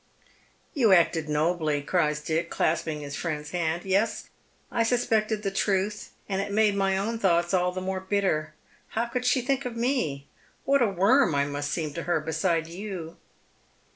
" You acted nobl}^," cries Dick, clasping his friend's hand. "Yes, I suspected the truth, and it made iny own thoughts all the more bitter. How could she think of me ? What a worm 1 must seem to her beside you